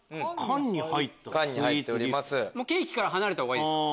ケーキから離れたほうがいいですか？